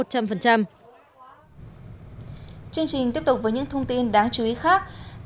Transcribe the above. chương trình tiếp tục với những thông tin đáng chú ý khác